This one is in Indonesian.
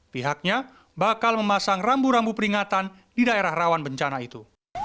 pihaknya bakal memasang rambu rambu peringatan di daerah rawan bencana itu